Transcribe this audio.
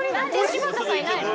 柴田さんいないの？